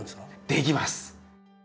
できます！